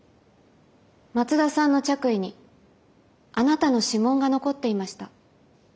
松田さんの着衣にあなたの指紋が残っていました。